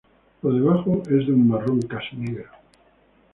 Por debajo es de un marrón casi negro.